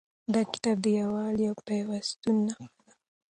دا کتاب د یووالي او پیوستون نښه ده.